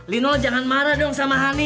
lino jangan marah dong sama hani